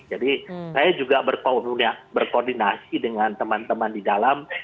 jadi saya juga berkoordinasi dengan teman teman di dalam